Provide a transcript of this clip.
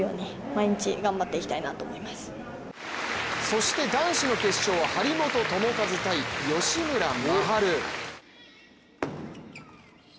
そして男子の決勝は張本智和×吉村真晴。